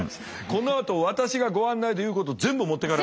このあと私がご案内で言うこと全部持ってかれた。